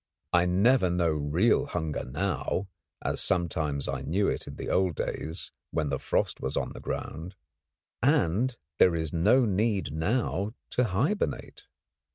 I never know real hunger now, as sometimes I knew it in the old days when the frost was on the ground; and there is no need now to hibernate.